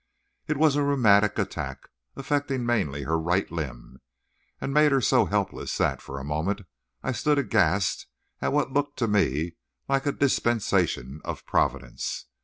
It was a rheumatic attack, affecting mainly her right limb, and made her so helpless that, for a moment, I stood aghast at what looked to me like a dispensation of Providence.